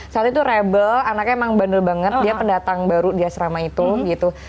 saat itu rebel anaknya emang bandel banget dia pendatang baru di asrama itu gitu